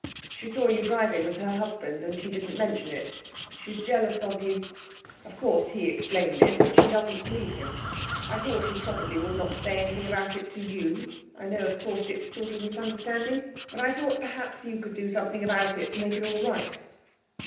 She saw you driving with her husband, and he didn't mention it. She's jealous of you. Of course he explained it, but she doesn't believe him. I thought he probably would not say anything about it to you. I know, of course, it's a sort of misunderstanding. But I thought perhaps you could do something about it to make it all right.'